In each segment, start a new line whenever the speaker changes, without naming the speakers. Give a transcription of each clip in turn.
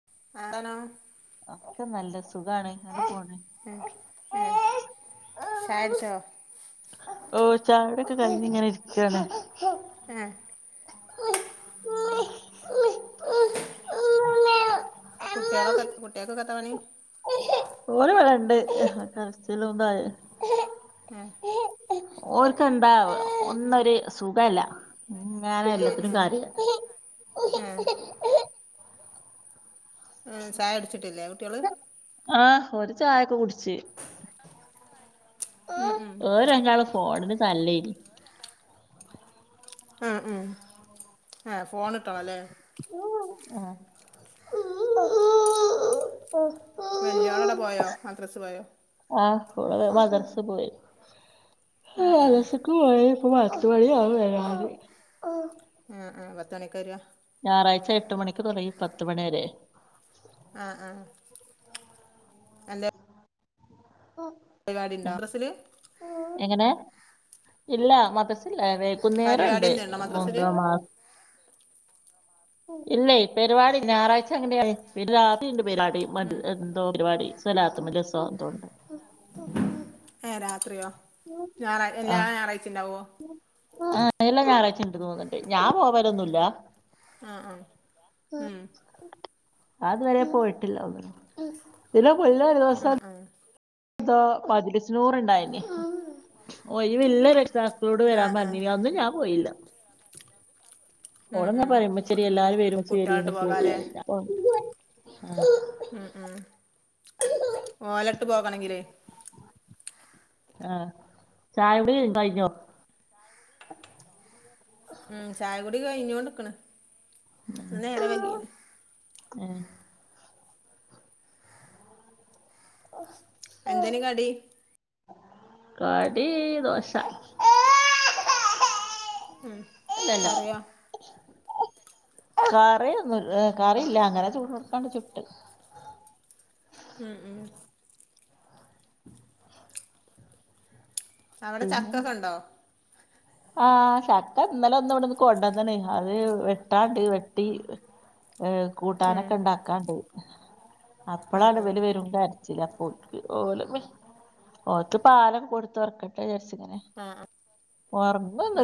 [inaudible]
ഒക്കെ നല്ല സുഖാണ് ങ്ങനെ പോണ്
ഉം ഉം ചായൊട്ച്ചോ
ഓഹ് ചായൊടിക്കെ കഴിഞ്ഞ് ഇങ്ങനെ ഇരിക്കാണ്
ഏഹ് കുട്ട്യേളോക്ക കുട്ട്യേക്കൊക്കെ എത്താ പണി
ഓര് വടെ ഇണ്ട് കരച്ചലുന്തായി
ആഹ്
ഓർക്ക് എന്താ ഒന്നൊരു സുഖല്ല ഇങ്ങനെ
ഉം
എല്ലത്തിനും
ഉം
കരയ
ഉം ചായടിച്ചിട്ടില്ലേ കുട്ട്യള്
ആഹ് ഓര് ചായൊക്കെ കുടിച്ച്
ഉം ഉം
ഓരണ്ടാളും ഫോൺന് തല്ലേനി
ആഹ് ഉം ആഹ് ഫോണിട്ടണം ല്ലേ
[unintelligible]
വെല്യയാളടെ പോയോ മദ്രസ് പോയോ
ആഹ് ഓള് മദർസ് പോയി
ആ ആ
അലസുക്കും പൊയി ഇപ്പോ പത്ത് മണിയാവും വരാന് ആഹ്
ആഹ് പത്തണിക്കാ വര
ഞായറാഴ്ച എട്ട് മണിക്ക് തുടങ്ങി പത്ത് മണി വരെ
ആഹ് ആഹ് എൻ്റെ
ഓ
പരിപാടി ഉണ്ടോ മദ്രസ്സില്
എങ്ങനെ ഇല്ല മദ്രസില്ല
പരിപാടി
വയ്കുന്നേരണ്ട്
എന്തേണ്ടോ മദ്രസില്
മൂത്ത മാ ഇല്ലേ പരിപാടി ഞായറാഴ്ച അങ്ങന പിന്നെ രാത്രിണ്ട് പരിപാടി മ ന്തൊപരിപാടി സ്വലാത്തുമലുസൊ എന്തൊ ഉണ്ട്
ഏഹ് രാത്രിയോ ഞായറാഴ്
ആ
എല്ലാ ഞായറാഴ്ച ഉണ്ടാവോ
ആ എല്ലാ ഞായറാഴ്ചയും ഉണ്ടെന്നുതോന്നണ്ട് ഞാൻ പോവലൊന്നുമില്ല
ആ ആ ഉം
ഞാനിതുവരെപോയിട്ടില്ല ഒന്നിലും പിന്നെ
ആ
പുന്നൊരുദിവസം
ആ
ന്തോ മജ്‌ലിസ്സുനൂറൊണ്ടായിന് ഒഴിവിള്ളെ രക്ഷിതാ ക്കളോട്
ആ ആ
വരാൻപറഞ്ഞീനി അന്നും ഞാൻ പോയില്ല.
ഉം ഉം
ഓളങ്ങനെപറയും ഉമ്മച്ചി എല്ലാരും വെരിമ്മച്ചി
കുട്ടികളായിട്ട്
വെരിമ്മച്ചി
പോകാല്ലേ
വെരിപറയും ഞാ ആഹ്
ആ ആ ഓലടുത്തുപോവണെങ്കിലേ
ആ ചായകുടി കഴിഞ്ഞോ
ഉം ചായകുടി കഴിഞ്ഞോണ്ടിക്കണ് ഇന്നുനേരം വൈകിയേണ്
ഏ
എന്തേനു കടി
കടി ദോശ
ഉം
ഇതെന്നാ കറിയൊന്നും കറിയില്ല അങ്ങനെ ചുട്ടോണ്ടു ചുട്ട്
ഉ ഉം അവിടെ
പിന്നെനാ
ചക്കൊക്കെ ഉണ്ടോ
ആ ശക്ക ഇന്നലെ ഒന്നു ഇവിടൊന്ന് കൊണ്ടാന്നാനി അത് വെട്ടാണ്ട് വെട്ടി ഏ
ഉം
കൂട്ടാനൊക്കെ ഒണ്ടാക്കാണ്ട്
ആ
അപ്പളാണ്
ആ
ഇവല് വരുമ്പേ ചിലപ്പോ ഓല് ഓത്ത്പാലം കൊടുത്തൊറക്ക് ജസ്റ്റിങ്ങനെ
ആ ആ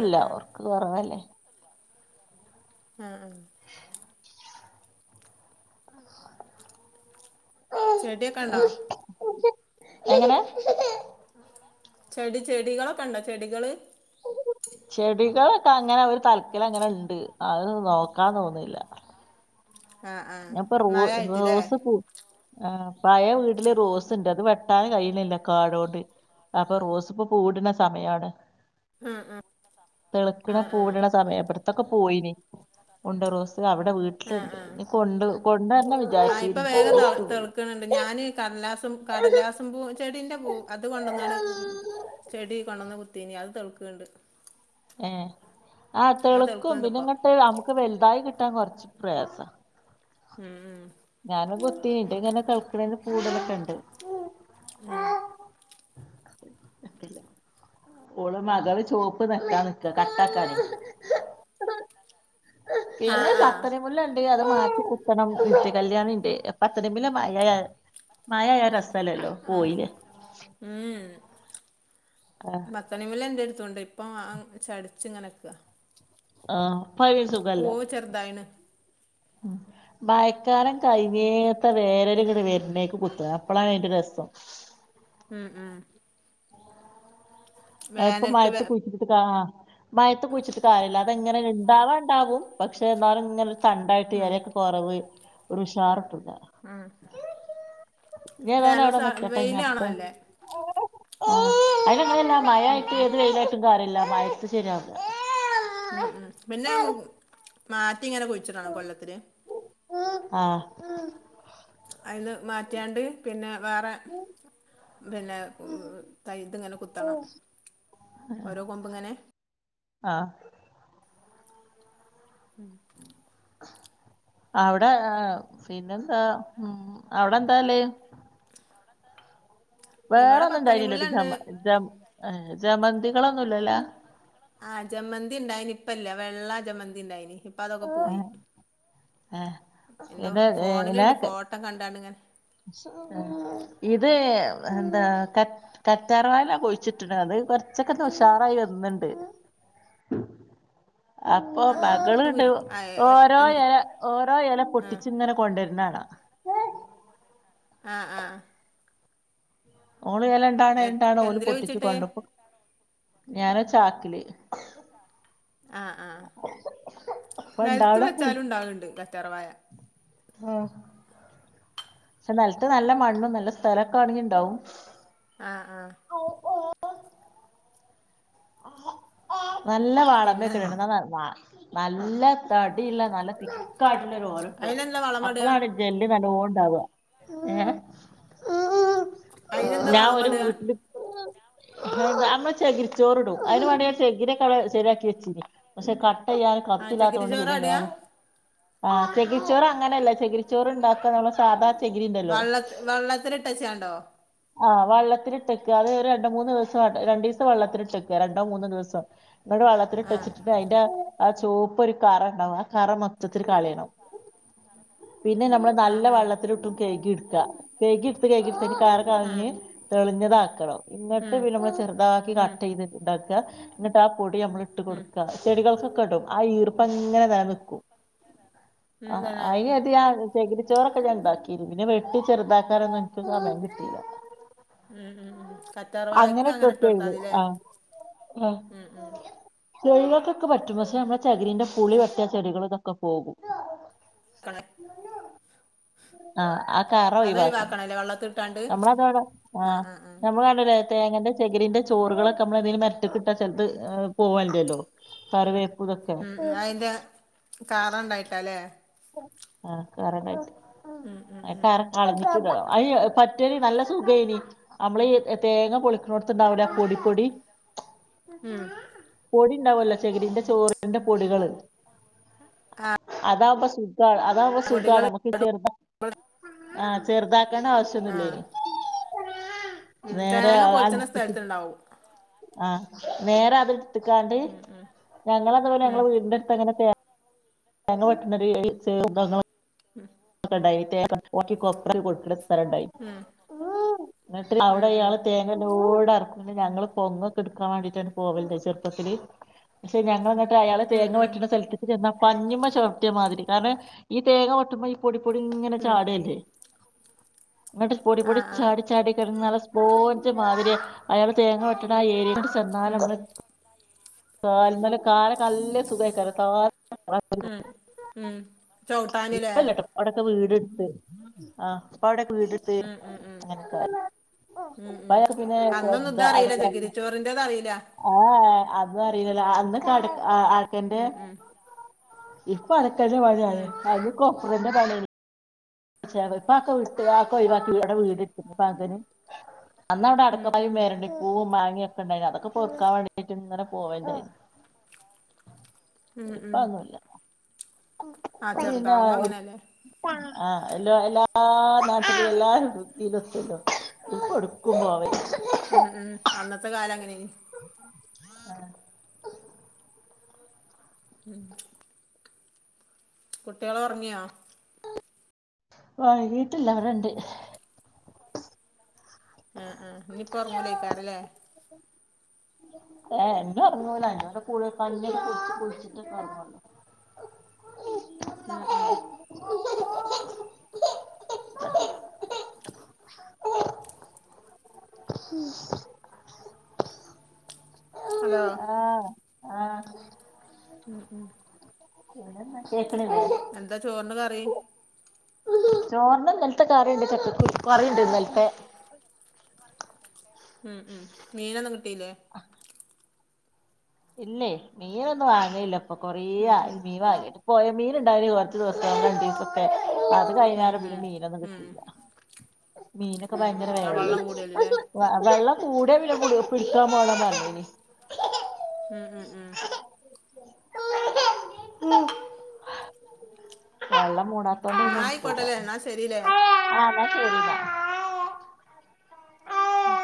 ആ ആ
ഒറക്ക് കൊറവല്ലേ.
ആ ആ ചെടിയൊക്കെയൊണ്ടൊ
എങ്ങനെ
ചെടി ചെടികളൊക്കെയൊണ്ടോ ചെടികള്.
ചെടികളൊക്കെയങ്ങനെ ഒരു തലക്കലങ്ങനെയൊണ്ട് അതു നോക്കാൻ തോന്നില്ല.
ആ ആ
ഞാപ്പൊ റോ
മഴ ആയിട്ടില്ലേ
റോസ്പൂ ആ പഴേവീട്ടില് റോസൊണ്ട് അതുവെട്ടാനുകഴിയുന്നില്ല കാടുകൊണ്ട്. അപ്പൊ റോസിപ്പൊ പൂവിടുന്നസമയാണ്.
ആ ആ ആ
തെളുക്കണ
ആ
പൂവിടണ സമയപ്പെടുത്ത് അതൊക്കെ പോയിന് ഒണ്ട് റോസ് അവിടെ
ആ
വീട്ടിലൊണ്ട്
ആ
കൊണ്ട് കൊണ്ടന്നെ വിചാരിച്ചീന് അതുവിട്ടുപോയി.
വിക്കനൊണ്ട് ഞാനീ കടലാസും കടലാസും പൂ ചെടിന്റെ പൂ അതു കൊണ്ടന്നാണ് ചെടി കൊണ്ടന്ന്കുത്തി അത് തളുക്കണ്ട്
ഏ ആ തെളുക്കും പിന്നെ
ഇപ്പൊ
ഇങ്ങട്ട് നമുക്ക് വലുതായികിട്ടാൻ കൊറച്ച് പ്രയാസാ
ഉം ഉം
ഞാനും കുത്തീന് ന്റെയിങ്ങനെ തെളുക്കണേന്റെ പൂവിടലൊക്കെയൊണ്ട്.
ഉം
ഇട്ടില്ലാ ഓള് മകള് ചോപ്പ് നെക്കാൻ നിക്കാ കട്ടാക്കാനെ
ആഹ്
എന്നാ
ആഹ്
ചക്കരേം മുല്ലയൊണ്ടെങ്കി അത് മാറ്റികുത്തണം നിത്യ കല്യാണിണ്ട് അപ്പ അത്രയും വലൃമഴയാണ്. മായയായ രസല്ലല്ലോ
ആഹ്
പോയിലേ.
ഉം
ആഹ്
ബത്തണിമുല്ല എന്റെടുത്തുണ്ട് ഇപ്പം ആ ചടിച്ച്ങ്ങനിക്കാ.
ആഹ് ഫൈവേസും
പൂവ് ചെർതായ്ണ്‌.
മയക്കാലം കയ്ഞ്ഞേ ഇപ്പ വേനലിങ്ങ്ട് വെരനെയ്ക്ക് കുത്ത അപ്പളാണയ്ന്റെ രസം.
അ ആ
ഇപ്പ
വേനൽക്ക് വേ
മയത്ത് കുയ്ച്ചിട്ട് കാ ആ മയത്ത് കുഴിച്ചിട്ട് കാര്യല്ല. ഇപ്പ ഇങ്ങനെ ഇണ്ടാവാ ഇണ്ടാവും പക്ഷെ ഇന്നാലും ഇങ്ങനെ തണ്ടായ്ട്ട്
ഉം
എലക്കെ കൊറവ്- ഒരുഷാറ്ട്ടുല്ല
ഉം
ഇനി
അല്ല,
ഏതായാലും അവിടെ
നല്ല
ന്നിക്കട്ടെ ഇങ്ങത്തെ.
വെയിലാണല്ലേ
ആ അയ്ന്ങ്ങനല്ല മഴയായ്ട്ട് ഏത് വെയ്ലായിട്ടും കാര്യല്ല മഴയ്ത്ത് ശെരിയാവില്ല
അ ആ പിനേം മാറ്റിങ്ങനെ കുഴിച്ചിടണം കൊല്ലത്തില്.
ആഹ്
അയ്ന്ന് മാറ്റ്യാണ്ട്. പിനെ വേറെ പിനെ തൈത്ത് ഇങ്ങനെ കുത്തണം. ഓരോ കൊമ്പ് ഇങ്ങനെ.
ആഹ്
[inaudible]
അവടെ ഏ പിനെന്താ ഉം അവടെന്താള്.
അവടെന്താള്.
വേറെ ഒന്നുംണ്ടായില്ലല്ലോ ഒര് ജമ ജമ ജമന്തികളൊന്നുല്ലല്ലോ.
ആഹ് ജമന്തിണ്ടായിന് ഇപ്പല്ല വെള്ള ജമന്തി ഇണ്ടായ്നി. അപ്പതൊക്കെ പോയി
ഏഹ് ഏഹ്
എന്റോ
പിന്നെ
ഫോണില്ണ്ട്
ഏഹ്
ഫോട്ടോ കണ്ടാണ്ട്ങ്ങനെ-
ഇത് എന്താ കറ്റ കറ്റാർവാഴ ഞാ കുഴിച്ചിട്ട്ണ്ട്. പിനത് കൊറച്ചൊക്കെ ന്ന് ഉഷാറായി വന്ന്ണ്ട് അപ്പൊ
ആ ആ
മകള്ണ്ട്
ആ എ
ഓരോ
എന്ത്
എല ഓരോ എല
ആ
പൊട്ടിച്ച്ങ്ങനെ. കൊണ്ടെര്നാണാം.
ആഹ് ആഹ്
ഓള് എല ഇണ്ടാണ്
എ
ഇണ്ടാണ് ഓല്
എന്തില
പൊട്ടിച്ചു
കുഴിച്ചിട്ടേ
കൊണ്ടൊക്കും ഞാനത് ചാക്കില്.
ആഹ് ആഹ്
അപ്പൊ
നെലത്ത് വെച്ചാലും ഇണ്ടാവല്ണ്ട് കറ്റാർ വായ.
അഹ് പക്ഷെ ന്നെൽത്ത് നല്ല മണ്ണും നല്ല സ്ഥലൊക്കെ വേണെങ്ങി ഇണ്ടാവും.
ആഹ് ആഹ്
നല്ല
പിന്നെ
വളന്ന്ക്ക്‌ണ് ണ്ട് ഇന്ന ന്നന്ന ന്നല്ല തടിള്ള നല്ല തിക്കായ്ട്ട്ള്ള ഒരു ഓല ഇട്ടും
അതിനെന്താ വളമിടുക
അപ്പളാണ് - ജെല്ല് ന്നല്ലോം ണ്ണ്ടാവ അങ്ങനെ. ഉം ഉം ഉം
അതിനെന്താ
ഞാഒര്
വളമിടുക
വീട്ട്ല് മുമ്പ് അമ്മ ചകിരി ച്ചോറ്ടും അയ്ന് വേണ്ടി ഞാൻ ചെകിരിക്കവടെ ശെരിയാക്കി വെച്ചിനി പഷേ ക ചെയ്യാന്
ആഹ് ചകിരി
കത്തിയില്ലാത്തോണ്ട് പിനെ
ചോറാടാ
ഞാൻ. ആ ചകിരിച്ചോറ് അങ്ങനെല്ല ചകിരിച്ചോറ് ഇണ്ടാക്കാ നമ്മള് സാധാ- ചകിരി ഉണ്ടല്ലോ
വെള്ളത്ത് വെള്ളത്തിലിട്ടെച്ചാണ്ടോ.
ആഹ് വള്ളത്തിലിട്ടെക്ക അത് രണ്ട് മൂന്ന് ദിവസട്ടെ രണ്ടീസം വെള്ളത്തിലിട്ടെക്ക രണ്ടോ മൂന്നോ ദിവസം. ങ്ങട്
ആഹ്
വള്ളത്തിലിട്ടെച്ചി ട്ടയ്ന്റെ ആ ച്ചോപ്പൊരു കറണ്ടാവും ആ കറ മൊത്തത്തില് കളയണം. പിനെ നമ്മള് ന്നല്ല
ആഹ് ആഹ്
വെള്ളത്തിലുട്ടും കയ്കിട്ക്ക. കെഴുകി എടുത്ത് കെഴുകി എടുത്തയിന്റെ കറ
ആഹ്
കളഞ്ഞ് തെളിഞ്ഞതാക്കണം ന്നിട്ട്
ഉം
പിന്നമ്മൾ ചെറ്താക്കി
ഉം
കാണ് ത്ണ്ടാക്ക ന്നിട്ടാ പൊടി നമ്മള് ട്ട്
ഉം
കൊടുക്ക ചെടികൾക്കൊക്കെ ടും ആ ഈർപ്പങ്ങനെ നെലനിക്കും
ഉം
ആ
തന്നെ
അയിനത് ഞാ ചകരിച്ചോറൊക്കെ ഞാൻണ്ടാക്കിനി പിന്നെ വെ ട്ടി ചെറുതാക്കാനൊന്നും എനിക്ക് സമയം കിട്ടീല്ല.
ഉം ഉം ഉം കറ്റാർവായക്ക് അങ്ങനട്ട് കൊട്ത്താതില്ലേ?
ആഹ് ഹ ചെടികൾക്കൊക്കെ പറ്റും പക്ഷെ നമ്മളെ ചകരിന്റെ പുളി പറ്റ്യാ ചെടികളതൊക്കെ പോകും
ക്കളെ
ഉ ആഹ് ആ കറ ഒയിവാക്കണം.
അതൊഴിവാക്കണല്ലേ വെള്ളത്തിട്ടാണ്ട്
നമ്മളതാണ് ആഹ് നമ്മളണ്ടിലേ തേങ്ങന്റെ ചകിരിന്റെ ചോറ് ങ്ങളൊക്കെ മ്മള തിന്റെ മെരട്ടെ കിട്ടാ ചെൽത് ഏ പോവൻ ല്ലല്ലോ കറിവേപ്പു തൊക്കെ
ആ അയിൻ്റെ കാറണ്ടായിട്ടല്ലേ?
ആഹ് കറ [unintelligible]
ഉം ഉം
ആ
ഉം
കറ
ഉം
കളഞ്ഞിട്ടിടണം. അയി എ പറ്റേല് നല്ല സുഖേയ്നി അമ്മളീ എ തേങ്ങ പൊളിക്കണോടുത്തുണ്ടാവില്ലെ അപ്പൊടി പൊടി
ഉം
പൊടി ണ്ടാവല്ലോ ചെകിരിന്റെ ചോറിന്റെ പൊടികള്
ആഹ്
താപ സുഖാ അതാമ്പ സുഖാണ് നമുക്ക് ചെറ്താ ആഹ് ചെറ്താക്കേണ്ട
ആഹ്
ആവശ്യൊന്നുല്ലെയ്നി
ഉം
നേരെ
തേങ്ങ പൊളിച്ചണ
[unintelligible]
[unintelligible]
ആഹ് നേരെ അത് ത്തിക്കാണ്ട്
ഉം ഉം
ഞങ്ങള [unintelligible]
ഉം
ഞങ്ങള് വീടിന്റെടുത്ത്ങ്ങനെ തേ ഏങ്ങ വെട്ട്ണത് [unintelligible]
ഉം
ക്കെണ്ടയ്നി തേങ്ങക്ക ഒൺ ക്കി കൊപ്രക്ക് കൊട്ക്ക്ണ് സ്ഥലണ്ടായ്
ഉം
ഊം ന്ന്ട്ട്
ഉം
അവടെയാള്
ഉം
തേ ലോടെറക്കും ന്ന്ട് ഞങ്ങള് പൊങ്ങൊക്കെടുക്കാൻ വേണ്ടിട്ടാട്ട് പോവൽ ണ്ടായിനു ചെർപ്പത്തില്. പക്ഷെ ഞങ്ങൾ ന്നിട്ടയാള
ഉം
തേങ്ങ
ഉം ഉം
വെട്ടണ സൽത്ത് ട്ട് ചെന്നാ പഞ്ഞിമ്മ ചവിട്ടിയ മാതിരി കാരണം ഈ തേങ്ങ വെട്ടുമ്പോ ഈ പൊടി പൊടി ങ്ങനെ
ഉം
ചാട്അല്ലേ ങ്ങട്ട് പൊടി പൊടി
ആഹ്
ച്ചാടി
ആഹ്
ച്ചാടി കെടന്ന ട സ് പോഞ്ച് മാതിരിയ അയാള് തേങ്ങ വെട്ടണ ആ ഏരിയെകാട്ട്
ഉം
ചെന്നാലമ്മള് കാല്‌മ്മല് കാലൊക്കല്ല സുഖായി [unintelligible]
ഉം ഉം. ചൗട്ടാന്ലേ.
അവിടെക്കെ വീടെട്ത്ത് ആഹ് പ്പവിടെക്കെ വീടെട്ത്ത്
ഉം ഉം ഉം
അങ്ങനെല്ലെ
ഉം ഉം
പായെക്കെ പിന്നെ എ
അന്നൊന്നും
ദ
ഇതറിയില്ല
[unintelligible]
ചകിരിച്ചോറിന്റെത് അറിയില്ല
ആ ആഹ് അതറീല്ലല്ലൊ അന്ന് കട് ആ ആ
ഉം ഉം
ഇപ്പതക്കന്റെ
ഉം
പണ്യാണ് അയില് കൊപ്രന്റെ പണി ചെറ്പാക്ക വിട്ട് ആഒക്ക ഒഴിവാക്കി വേറ വീടെട്ത്ത് [unintelligible] അന്നവിടെ
ഉം ഉം
അടക്കപ്പായും വേറണ്ട്. പൂവും മാങ്ങൊക്കെ ണ്ടായിന അതൊക്കെ പെറുക്കാ വേണ്ടിട്ട് ങ്ങനെ പോവൽ ണ്ടായിനു
ഉം ഉം
ഇപ്പഒന്നുല്ല
ആഹ്
ങ്ങിന്നാ
ചെറുതാവുമ്പോ
ഒ
അങ്ങനെയല്ലേ
ആഹ് എല്ലോ എല്ലാ നാട്ടിലും എല്ലാരും രുത്തിലെത്തല്ലോ ഇപ്പടുക്കും വാവേ
ഉം ഉം അന്നത്തെ കാലം അങ്ങനെയാണ്
ആഹ്
ഉം കുട്ടികള് ഒറങ്ങിയാ?
വൈകീട്ടില്ല അവടെണ്ട്
ആഹ് ആഹ് ഇനിപ്പോ ഉറങ്ങൂലൈക്കാര് അല്ലെ
ഏ ഇനി ഒറങ്ങൂല്ല ഇനി അവരെ കൂളിൽ കഞ്ഞി കുടിച്ചിട്ട് കുളിച്ചിട്ടൊക്കെ ഒറങ്ങൊള്ളു
ഉം ഉം
ഉം
ഹലോ
ആഹ് ആഹ്
ഉം ഉം
പിന്നെന്താ കേക്കണില്ലേ
എന്താ ചോറിന് കറി?
ചോറിന് ഇന്നലത്തെ കറിയുണ്ട് ചക്കക്കുരു കറിയുണ്ട് ഇന്നലത്തെ
ഉം ഉം മീനൊന്നും കിട്ടീല്ലേ
ഇല്ലേ മീനൊന്നും വാങ്ങല്ല ഇപ്പൊ കൊറേ
ഉം ഉം
ആയി മീൻ വാങ്ങിയിട്ട് പോയ മീൻ ഉണ്ടായിന് കുറച്ച് ദിവസം രണ്ടു ദിവസമൊക്കെ അത്
ഉം
കൈഞ്ഞാറ്
ഉം
പിന്നെ മീനൊന്നും
ഉം
കിട്ടില്ല മീനൊക്കെ
ഉം
ഭയങ്കര
ഉം ആ
വെല
വള്ളം കൂടിയല് ല്ലേ
വ വെള്ളം കൂടിയ പിന്നെ പിടിക്കാൻ പോണ പറഞ്ഞീനി
ഉം ഉം ഉം
ഉം നല്ല മൂടാത്തോണ്ട
എന്നാ ആയിക്കോട്ടല്ലേ
[unintelligible]
എന്നാ ശരില്ലേ
ആ ന്നാ ശരി ട്ടാ
മ്